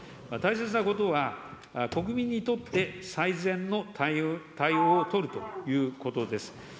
大切なことは、国民にとって最善の対応を取るということです。